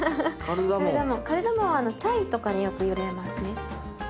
カルダモンはチャイとかによく入れますね。